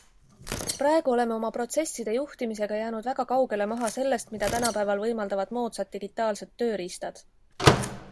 Praegu oleme oma protsesside juhtimisega jäänud väga kaugele maha sellest, mida tänapäeval võimaldavad moodsad digitaalsed tööriistad.